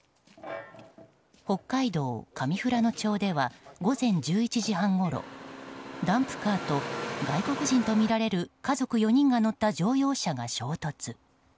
北海道上富良野町では午前１１時半ごろダンプカーと、外国人とみられる家族４人が乗った乗用車が衝突。